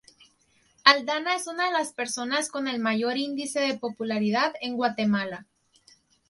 Aldana es una de las personas con el mayor índice de popularidad en Guatemala.